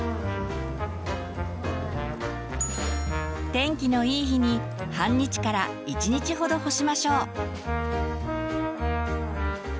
天気のいい日に半日から１日ほど干しましょう。